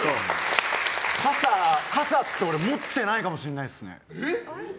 傘って俺持ってないかもしれないですね。